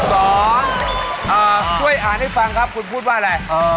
สองช่วยอ่านให้ฟังครับคุณพูดว่าอะไร